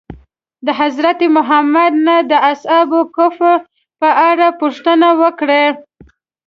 د حضرت محمد نه د اصحاب کهف په اړه پوښتنه وکړئ.